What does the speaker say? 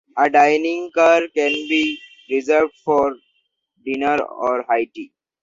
A dining car can be reserved for dinner or high tea.